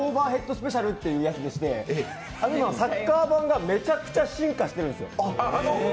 スペシャルというやつでして、今、サッカー盤がめちゃくちゃ進化してるんですよ。